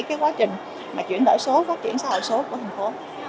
cái quá trình mà chuyển đổi số phát triển xã hội số của thành phố